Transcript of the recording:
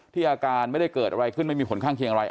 อาการไม่ได้เกิดอะไรขึ้นไม่มีผลข้างเคียงอะไร